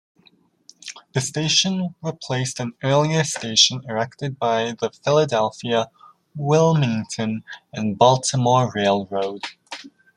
The station replaced an earlier station erected by the Philadelphia, Wilmington and Baltimore Railroad.